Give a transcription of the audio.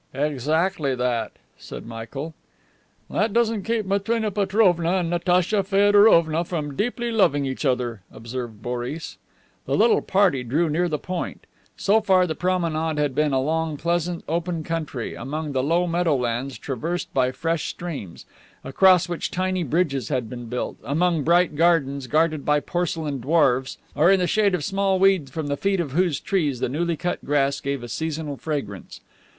"Exactly that," said Michael. "That doesn't keep Matrena Petrovna and Natacha Feodorovna from deeply loving each other," observed Boris. The little party drew near the "Point." So far the promenade had been along pleasant open country, among the low meadows traversed by fresh streams, across which tiny bridges had been built, among bright gardens guarded by porcelain dwarfs, or in the shade of small weeds from the feet of whose trees the newly cut grass gave a seasonal fragrance.